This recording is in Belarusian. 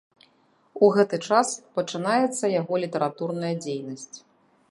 У гэты час пачынаецца яго літаратурная дзейнасць.